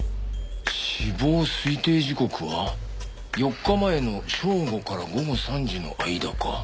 死亡推定時刻は４日前の正午から午後３時の間か。